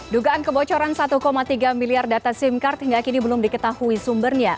dugaan kebocoran satu tiga miliar data sim card hingga kini belum diketahui sumbernya